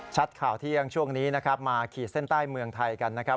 ข่าวเที่ยงช่วงนี้นะครับมาขีดเส้นใต้เมืองไทยกันนะครับ